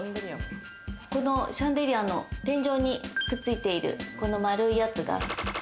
シャンデリアの天井にくっついているこの丸いやつが。